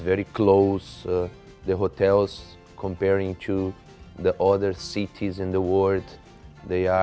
เพราะสนุนอย่างที่มีที่รักที่ได้ซ่อนที่ที่ก็สนิทสินที่ที่เยอะ